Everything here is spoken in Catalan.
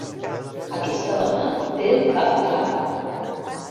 Aquesta dona té el cap clar.